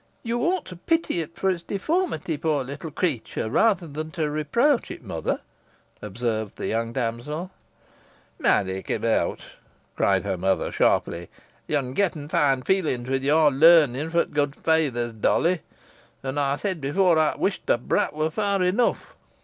"You ought to pity it for its deformity, poor little creature, rather than reproach it, mother," observed the young damsel. "Marry kem eawt!" cried her mother, sharply, "yo'n getten fine feelings wi' your larning fro t' good feythers, Dolly. Os ey said efore, ey wish t' brat wur far enough."